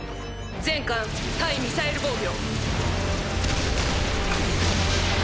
全艦対ミサイル防御。